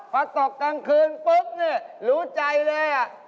พอตกกลางคืนปุ๊บเนี่ยรู้ใจเลย